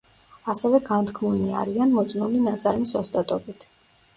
ასევე განთქმულნი არიან მოწნული ნაწარმის ოსტატობით.